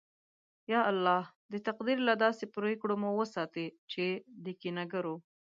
یا الله! د تقدیر له داسې پرېکړو مو وساتې چې د کینه گرو